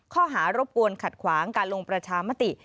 รบกวนขัดขวางการลงประชามติ